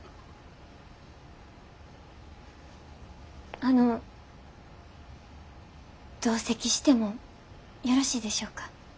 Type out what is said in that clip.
あの同席してもよろしいでしょうか？